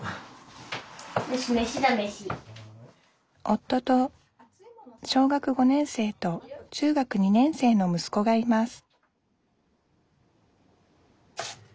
夫と小学５年生と中学２年生のむすこがいます